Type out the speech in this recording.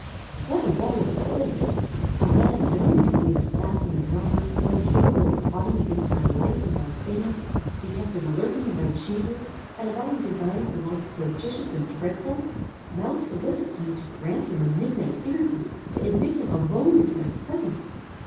What a letter was this! A man known to be an assassin and robber; one capable of plotting against my life and my fame; detected lurking in my chamber, and avowing designs the most flagitious and dreadful, now solicits me to grant him a midnight interview! To admit him alone into my presence!